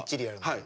はい。